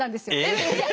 え？